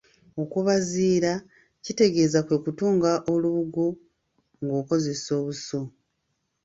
Okubaziira kitegeeza kwe kutunga olubugo ng'okozesa obuso.